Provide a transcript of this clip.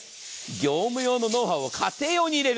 業務用のノウハウを家庭用に入れる。